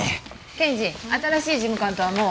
検事新しい事務官とはもう。